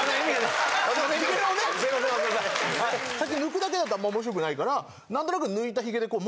最近抜くだけだったらあんま面白くないからなんとなく。